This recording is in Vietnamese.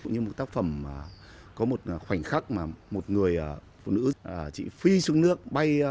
như một tác phẩm có một khoảnh khắc mà một người phụ nữ chị phi xuống nước bay